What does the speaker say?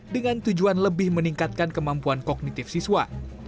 dengan tujuan lebih meningkatkan kemampuan kognitif siswa